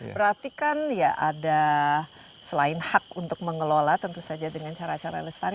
berarti kan ya ada selain hak untuk mengelola tentu saja dengan cara cara lestari